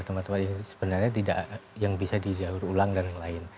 tempat tempat yang sebenarnya tidak yang bisa didaur ulang dan yang lain